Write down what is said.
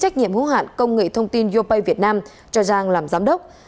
trách nhiệm hữu hạn công nghệ thông tin yopay việt nam cho giang làm giám đốc